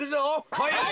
はい。